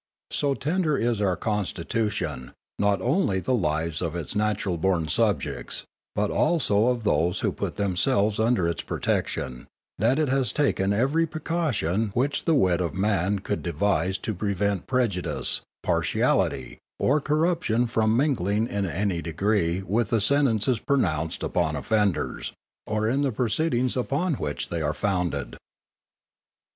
So tender is our constitution, not only of the lives of its natural born subjects, but, also of those who put themselves under its protection, that it has taken every precaution which the wit of man could devise to prevent prejudice, partiality, or corruption from mingling in any degree with the sentences pronounced upon offenders, or in the proceedings upon which they are founded.